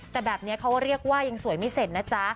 แต่แบบนี้เขาเรียกว่ายังสวยไม่เสร็จนะจ๊ะ